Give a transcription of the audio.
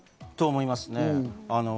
そう思いますね。